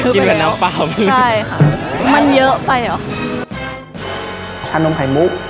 คือไปเร็วใช่ค่ะมันเยอะไปเหรอชานมไข่มุก